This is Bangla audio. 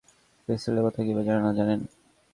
পিস্তলের কথা কীভাবে জানলাম, জানেন?